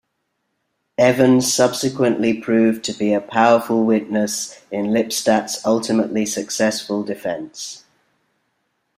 Evans subsequently proved to be a powerful witness in Lipstadt's ultimately successful defence.